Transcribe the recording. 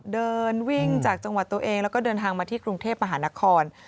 เดินวิ่งจากจังหวัดตัวเองแล้วก็เดินทางมาที่กรุงเทพมหานคร